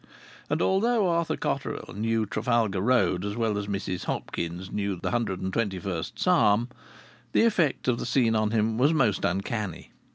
And although Arthur Cotterill knew Trafalgar Road as well as Mrs Hopkins knew the hundred and twenty first Psalm, the effect of the scene on him was most uncanny.